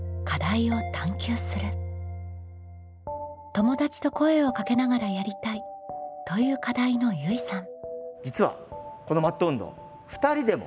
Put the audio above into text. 「友達と声をかけながらやりたい」という課題のゆいさん。